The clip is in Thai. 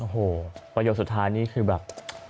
โอ้โหประโยคสุดท้ายนี่คือแบบ